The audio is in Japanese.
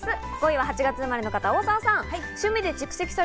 ５位は８月生まれの方、大沢さん。